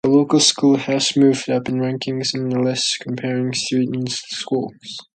The local school has moved up in rankings in a list comparing Sweden's schools.